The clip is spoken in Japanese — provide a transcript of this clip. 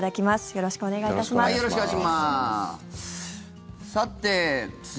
よろしくお願いします。